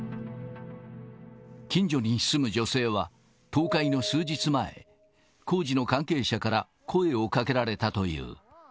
近所に住む女性は、倒壊の数日前、工事の関係者から声をかけられた